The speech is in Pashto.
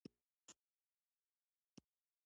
تقدیر هغه له ماسره په یوه کړۍ کې راګیر کړ.